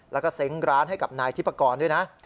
แล้วก็เซ้งร้านให้กับนายทิพกรด้วยนะ